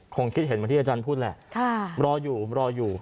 คิดเห็นเหมือนที่อาจารย์พูดแหละรออยู่รออยู่